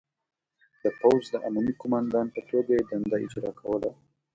د پوځ د عمومي قوماندان په توګه یې دنده اجرا کوله.